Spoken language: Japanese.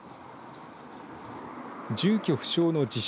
住居不詳の自称